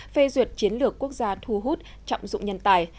phê duyệt chiến lược quốc gia thu hút trọng dụng nhân tài